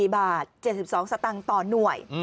๔๗๒บาทต่อหน่วย